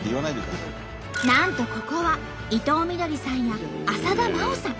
なんとここは伊藤みどりさんや浅田真央さん